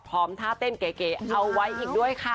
ท่าเต้นเก๋เอาไว้อีกด้วยค่ะ